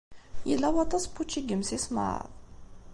Yella waṭas n wučči deg yimsismeḍ?